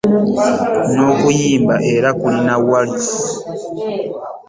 N'okuyimba era kulina walifu.